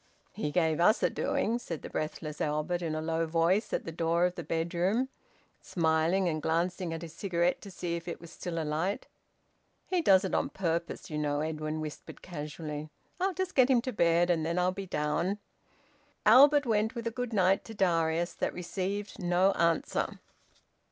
"He gave us a doing," said the breathless Albert in a low voice at the door of the bedroom, smiling, and glancing at his cigarette to see if it was still alight. "He does it on purpose, you know," Edwin whispered casually. "I'll just get him to bed, and then I'll be down." Albert went, with a `good night' to Darius that received no answer.